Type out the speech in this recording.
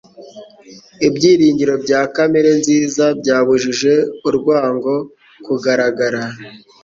Ibyiringiro bya kamere-nziza byabujije urwango kugaragara